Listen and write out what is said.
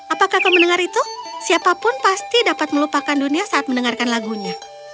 apakah kau mendengar itu siapapun pasti dapat melupakan dunia saat mendengarkan lagunya